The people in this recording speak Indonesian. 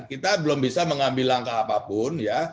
kita belum bisa mengambil langkah apapun ya